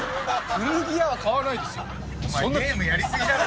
古着屋は買わないですよ